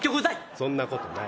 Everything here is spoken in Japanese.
そんなことない。